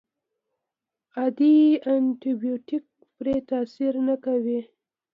عادي انټي بیوټیکونه پرې تاثیر نه کوي.